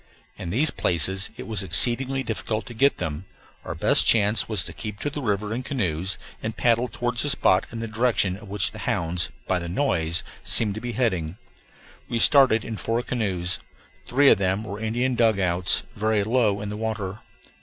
In these places it was exceedingly difficult to get them; our best chance was to keep to the river in canoes, and paddle toward the spot in the direction of which the hounds, by the noise, seemed to be heading. We started in four canoes. Three of them were Indian dugouts, very low in the water.